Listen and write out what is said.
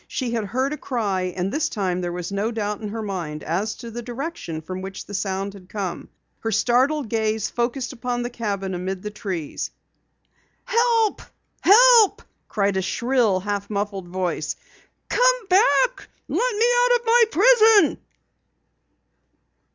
She had heard a cry and this time there was no doubt in her mind as to the direction from which the sound had come. Her startled gaze focused upon the cabin amid the trees. "Help! Help!" called a shrill, half muffled voice. "Come back, and let me out of my prison!"